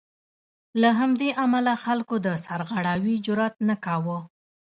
له همدې امله خلکو د سرغړاوي جرات نه کاوه.